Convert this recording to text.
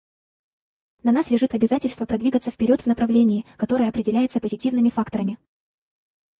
На нас лежит обязательство продвигаться вперед в направлении, которое определяется позитивными факторами.